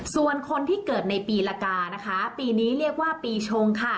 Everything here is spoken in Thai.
ส่วนคนที่เกิดในปีลากาปีนี้เรียกว่าปีโชง